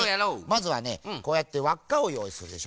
まずはねこうやってわっかをよういするでしょう。